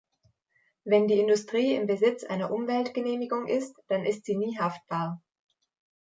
Wenn die Industrie im Besitz einer Umweltgenehmigung ist, dann ist sie nie haftbar.